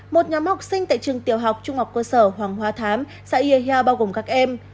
một nhóm học sinh tại trường tiểu học trung học cơ sở hoàng hoa thám xã yêu hèo bao gồm các em